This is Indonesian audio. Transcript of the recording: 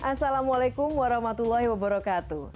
assalamualaikum warahmatullahi wabarakatuh